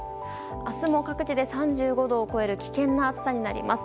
明日も各地で３５度を超える危険な暑さになります。